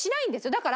だから。